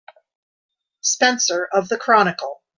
Spencer of the Chronicle.